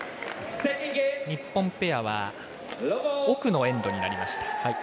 日本ペアは奥のエンドになりました。